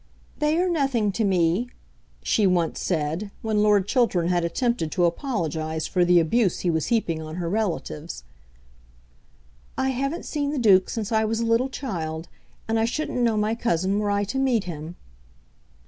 "They are nothing to me," she said once, when Lord Chiltern had attempted to apologise for the abuse he was heaping on her relatives. "I haven't seen the Duke since I was a little child, and I shouldn't know my cousin were I to meet him."